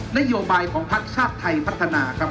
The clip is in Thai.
นโยบายของพักชาติไทยพัฒนาครับ